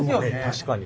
確かに。